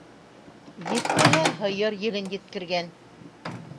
Етмәһә, һыйыр елен еткергән.